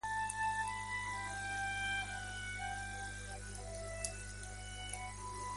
Todos los proyectos ya han sido finalizados.